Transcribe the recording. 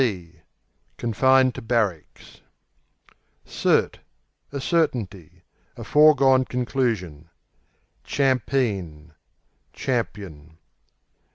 C.B. Confined to barracks. Cert A certainty; a foregone conclusion. Champeen Champion.